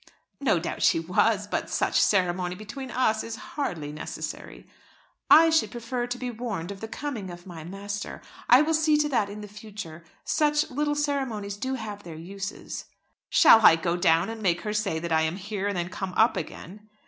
"No doubt she was. But such ceremony between us is hardly necessary." "I should prefer to be warned of the coming of my master. I will see to that in future. Such little ceremonies do have their uses." "Shall I go down and make her say that I am here, and then come up again?"